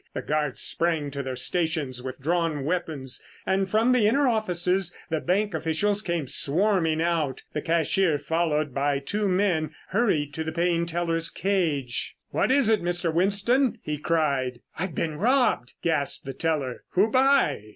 The guards sprang to their stations with drawn weapons and from the inner offices the bank officials came swarming out. The cashier, followed by two men, hurried to the paying teller's cage. "What is it, Mr. Winston?" he cried. "I've been robbed!" gasped the teller. "Who by?